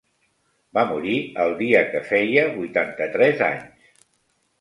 Va morir el dia que feia vuitanta-tres anys.